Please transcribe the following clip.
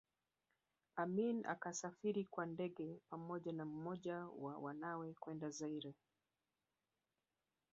Amin akasafiri kwa ndege pamoja na mmoja wa wanawe kwenda Zaire